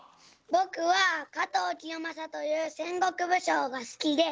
ぼくは加藤清正という戦国武将が好きで。